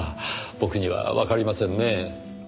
僕にはわかりませんねぇ。